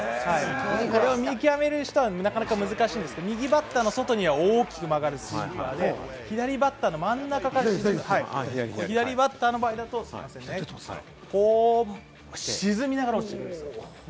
これを見極める人はなかなか難しいんですけど、右バッターの外には大きく曲がるスイーパーで、左バッターの真ん中、左バッターの場合だと沈みながら落ちていきます。